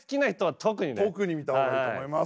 特に見たほうがいいと思います。